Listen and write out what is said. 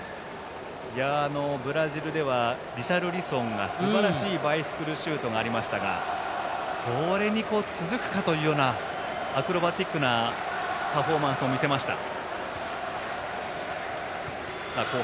ブラジルではリシャルリソンのすばらしいバイシクルシュートがありましたがそれに続くかというようなアクロバティックなパフォーマンスを見せました。